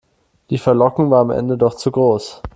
Die Verlockung war am Ende doch zu groß.